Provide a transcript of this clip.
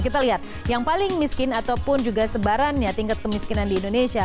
kita lihat yang paling miskin ataupun juga sebarannya tingkat kemiskinan di indonesia